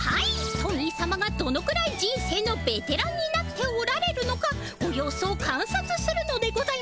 トミーさまがどのくらい人生のベテランになっておられるのかご様子をかんさつするのでございますね。